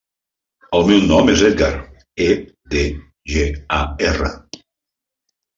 El meu nom és Edgar: e, de, ge, a, erra.